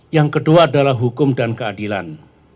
yang kedua adalah hukum dan keadilan